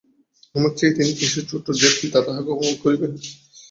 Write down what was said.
আমাদের চেয়ে তিনি কিসে ছোটো যে, পিতা তাঁহাকে অপমান করিবেন?